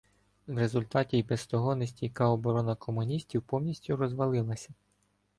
В результаті й без того нестійка оборона комуністів повністю розвалилася.